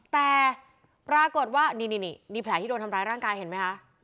แต่ปรากฏว่านี่แผลที่โดนทำร้ายร่างกายเห็นไหมคะ